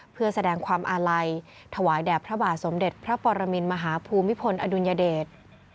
เพื่อแสดงความอาลัยถวายแด่พระบาทสมเด็จพระปรมินมหาภูมิพลอดุลยเดช